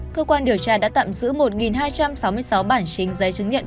cơ quan điều tra đã tạm giữ một hai trăm sáu mươi sáu bản chính giấy chứng nhận